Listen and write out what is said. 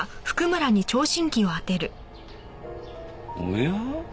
おや？